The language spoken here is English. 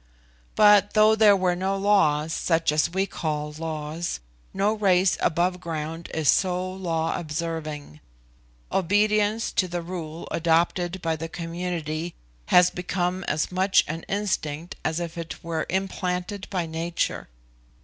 But though there were no laws such as we call laws, no race above ground is so law observing. Obedience to the rule adopted by the community has become as much an instinct as if it were implanted by nature.